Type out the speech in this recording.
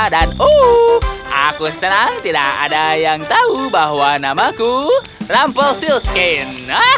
dan uh aku senang tidak ada yang tahu bahwa namaku rumpelstiltskin